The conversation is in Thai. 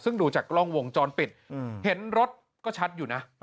ซึ่งดูจากกล้องวงจรปิดเห็นรถก็ชัดอยู่นะ